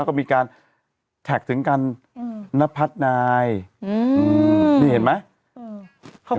แล้วก็มีการแท็กถึงกันอืมนับพัดนายอืมนี่เห็นไหมอืม